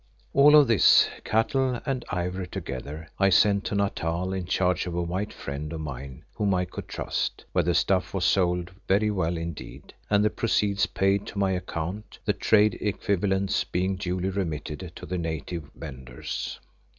All of this, cattle and ivory together, I sent to Natal in charge of a white friend of mine whom I could trust, where the stuff was sold very well indeed, and the proceeds paid to my account, the "trade" equivalents being duly remitted to the native vendors.